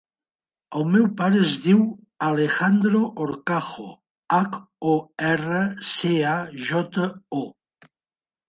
El meu pare es diu Alejandro Horcajo: hac, o, erra, ce, a, jota, o.